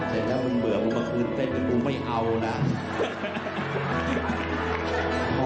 ผู้ชายถูกรักลูกสาวฉันไม่นานณนะ